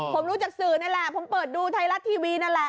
ผมรู้จากสื่อนี่แหละผมเปิดดูไทยรัฐทีวีนั่นแหละ